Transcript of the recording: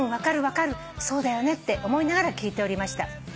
『そうだよね』って思いながら聞いておりました」